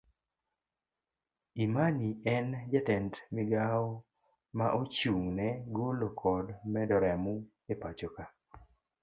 Imani en jatend migawo ma ochung ne golo kod medo remo epachoka.